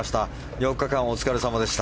４日間お疲れ様でした。